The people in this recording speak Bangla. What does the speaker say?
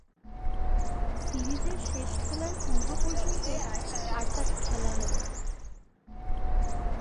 সিরিজের শেষ খেলার পূর্ব-পর্যন্ত আর তাকে খেলানো হয়নি।